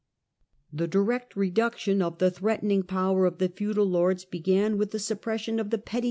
The direct reduction of the threatening power of the feudal lords began with the suppression of the petty FRANCE UNDER LOUIS VI.